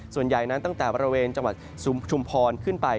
ส่วนใหญ่นั้นตั้งแต่บริเวณจังหวัดชุมพรขึ้นไป